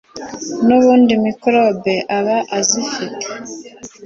nubundi microbes aba azifite